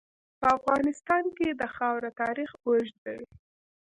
په افغانستان کې د خاوره تاریخ اوږد دی.